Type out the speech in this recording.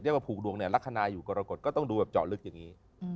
ถ้าปกดูรัฐนาอยู่กรกฎก็ต้องดูแบบเจาะลึกอย่างนี้